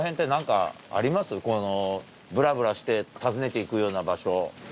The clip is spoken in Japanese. このぶらぶらして訪ねて行くような場所。